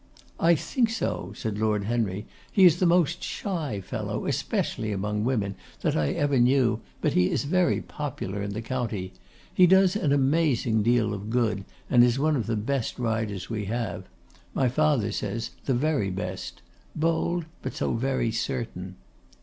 'I think so,' said Lord Henry. 'He is the most shy fellow, especially among women, that I ever knew, but he is very popular in the county. He does an amazing deal of good, and is one of the best riders we have. My father says, the very best; bold, but so very certain.